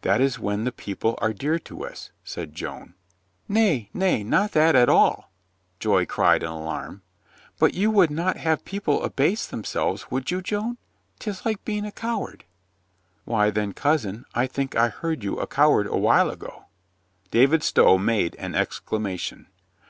"That is when the people are dear to us," said Joan. "Nay, nay, not that at all," Joy cried in alarm. "But you would not have people abase themselves, would you, Joan? 'Tis like being a coward." "Why, then, cousin, I think I heard you a coward a while ago." David Stow made an exclamation.